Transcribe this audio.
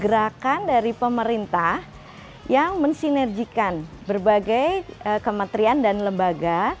gerakan dari pemerintah yang mensinergikan berbagai kementerian dan lembaga